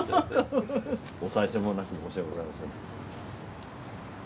おさい銭もなく申し訳ございません。